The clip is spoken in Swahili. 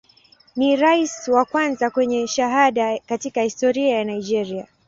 Ni rais wa kwanza mwenye shahada katika historia ya Nigeria.